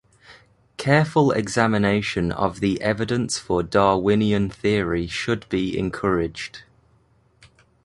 Careful examination of the evidence for Darwinian theory should be encouraged.